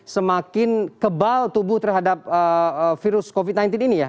semakin kebal tubuh terhadap virus covid sembilan belas ini ya